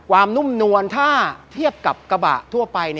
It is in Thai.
นุ่มนวลถ้าเทียบกับกระบะทั่วไป